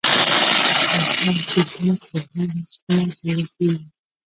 احساس د درد له لمس نه پیدا کېږي.